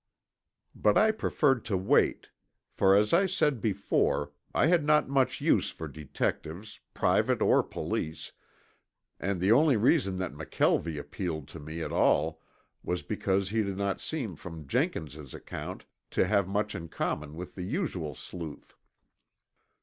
But I preferred to wait, for as I said before I had not much use for detectives, private or police, and the only reason that McKelvie appealed to me at all was because he did not seem from Jenkins' account to have much in common with the usual sleuth.